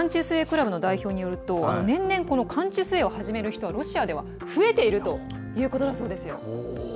水泳クラブの代表によると、年々寒中水泳を始める人がロシアでは増えているということだそうですよ。